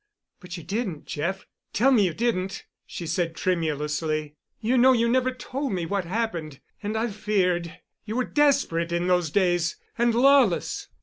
"But you didn't, Jeff—tell me you didn't," she said tremulously. "You know you never told me what happened, and I've feared—you were desperate in those days—and lawless."